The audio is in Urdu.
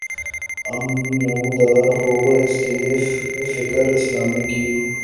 اب نمودار ہوگا اس کے لیے فکر اسلامی کی